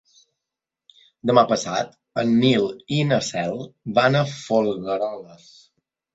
Demà passat en Nil i na Cel van a Folgueroles.